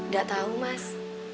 gak tau mas